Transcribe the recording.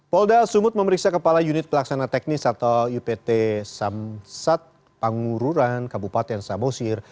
polda sumut memeriksa kepala unit pelaksana teknis atau upt samsat pangururan kabupaten samosir